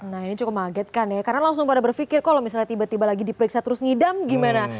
nah ini cukup mengagetkan ya karena langsung pada berpikir kok misalnya tiba tiba lagi diperiksa terus ngidam gimana